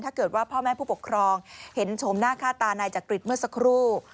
ถ้าเกิดว่าพ่อแม่ผู้ปกครองเห็นชมหน้าค่าตานายจักริตเมื่อสักครู่